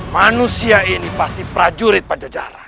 manusia ini pasti prajurit pajajaran